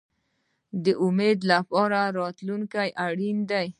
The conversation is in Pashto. د امید لپاره راتلونکی اړین دی